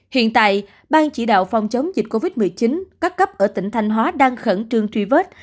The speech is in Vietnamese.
hiện tại bang chỉ đạo phòng chống dịch covid một mươi chín các cấp ở tỉnh thanh hóa đang khẩn trương truy vết